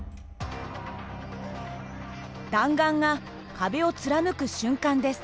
弾丸が壁を貫く瞬間です。